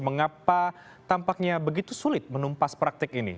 mengapa tampaknya begitu sulit menumpas praktik ini